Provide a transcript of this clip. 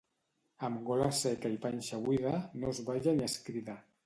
Amb gola seca i panxa buida, no es balla ni es crida.